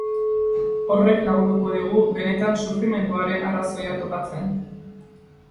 Horrek lagunduko digu benetan sufrimenduaren arrazoia topatzen.